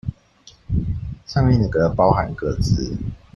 上面那個包含個資